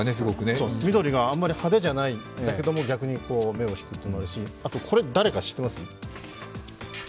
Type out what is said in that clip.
緑があんまり派手じゃないんだけれども、逆に目を引くというのもあるし、あと、これ、誰か知ってます？